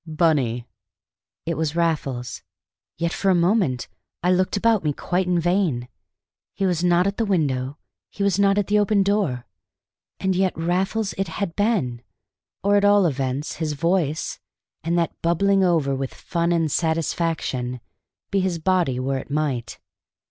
"Bunny!" It was Raffles. Yet for a moment I looked about me quite in vain. He was not at the window; he was not at the open door. And yet Raffles it had been, or at all events his voice, and that bubbling over with fun and satisfaction, be his body where it might.